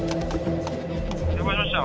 ☎了解しました。